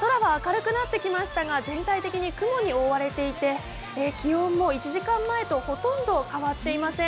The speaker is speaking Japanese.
空は明るくなってきましたが全体的に雲に覆われていて気温も１時間前とほとんど変わっていません。